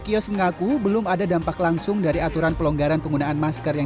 kios mengaku belum ada dampak langsung dari aturan pelonggaran penggunaan masker yang